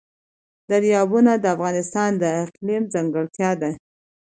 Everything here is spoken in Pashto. دریابونه د افغانستان د اقلیم ځانګړتیا ده.